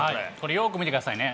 よーく見てくださいね。